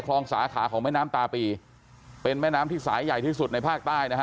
สาขาของแม่น้ำตาปีเป็นแม่น้ำที่สายใหญ่ที่สุดในภาคใต้นะฮะ